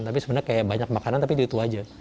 tapi sebenarnya banyak makanan tapi itu saja